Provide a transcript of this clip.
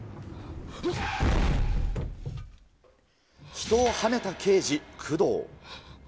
人をはねた刑事、工藤。